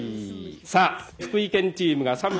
さあ福井県チームが３６０キロ。